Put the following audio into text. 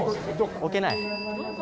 置けない？